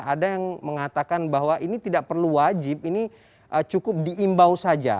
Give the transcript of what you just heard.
ada yang mengatakan bahwa ini tidak perlu wajib ini cukup diimbau saja